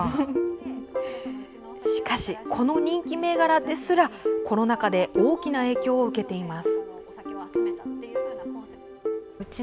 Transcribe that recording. しかし、この人気銘柄ですらコロナ禍で大きな影響を受けています。